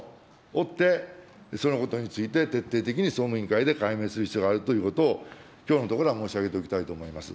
追ってそのことについて徹底的に総務委員会で解明する必要があるということを、きょうのところは申し上げておきたいと思います。